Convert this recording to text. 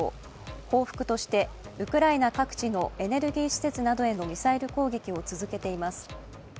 報復としてウクライナ各地のエネルギー施設などへのミサイル攻撃を続けています。